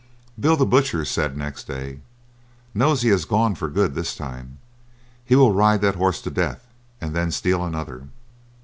Bill, the butcher, said next day: "Nosey has gone for good this time. He will ride that horse to death and then steal another."